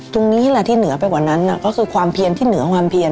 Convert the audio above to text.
ตรงนี้แหละที่เหนือไปกว่านั้นก็คือความเพียนที่เหนือความเพียร